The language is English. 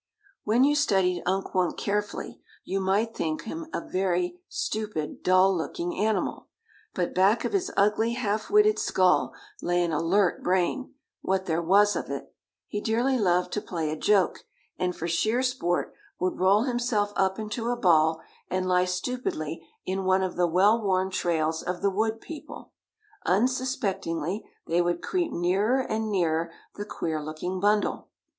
When you studied Unk Wunk carefully, you might think him a very stupid, dull looking animal. But back of his ugly, half witted skull lay an alert brain, what there was of it. He dearly loved to play a joke, and for sheer sport would roll himself up into a ball and lie stupidly in one of the well worn trails of the wood people; unsuspectingly, they would creep nearer and nearer the queer looking bundle.